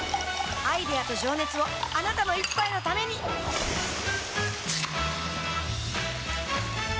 アイデアと情熱をあなたの一杯のためにプシュッ！